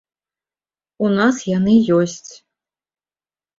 У нас яны ёсць.